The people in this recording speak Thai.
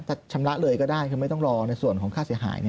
ชำระเลยก็ได้คือไม่ต้องรอในส่วนของค่าเสียหาย